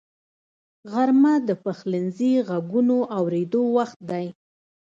غرمه د پخلنځي غږونو اورېدو وخت دی